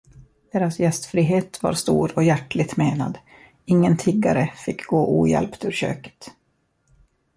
Deras gästfrihet var stor och hjärtligt menad, ingen tiggare fick gå ohjälpt ur köket.